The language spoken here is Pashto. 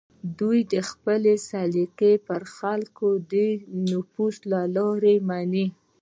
دوی خپلې سلیقې پر خلکو د نفوذ له لارې مني